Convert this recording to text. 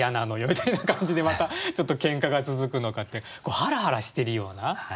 みたいな感じでまたちょっとけんかが続くのかってハラハラしてるような心情。